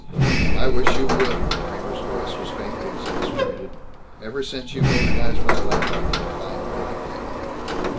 "I wish you would," Kramer's voice was faintly exasperated. "Ever since you've organized my lab I can't find anything."